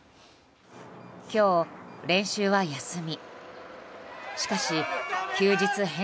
今日、練習は休み。